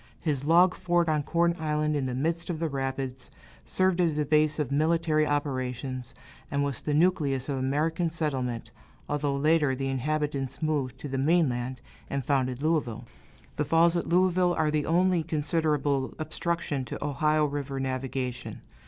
His log fort on Corn Island, in the midst of the rapids, served as a base of military operations, and was the nucleus of American settlement, although later the inhabitants moved to the mainland, and founded Louisville. The falls at Louisville are the only considerable obstruction to Ohio River navigation.